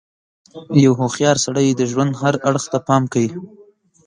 • یو هوښیار سړی د ژوند هر اړخ ته پام کوي.